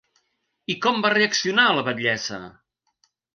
I com va reaccionar la batllessa?